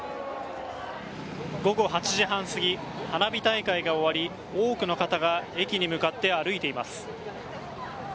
午後８時半すぎ花火大会が終わり多くの方が駅に向かって歩いています。